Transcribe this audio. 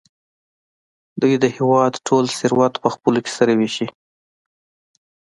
دوی د هېواد ټول ثروت په خپلو کې سره وېشي.